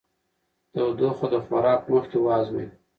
تودوخه د خوراک مخکې وازمویئ.